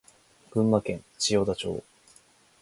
群馬県千代田町